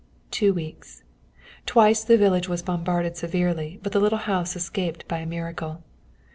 Two weeks. Twice the village was bombarded severely, but the little house escaped by a miracle.